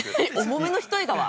◆重めの一重だわ！